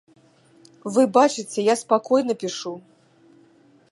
Вы бачыце, я спакойна пішу.